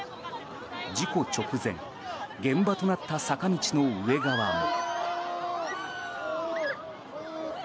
事故直前現場となった坂道の上側も。